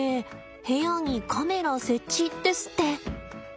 「部屋にカメラ設置」ですって。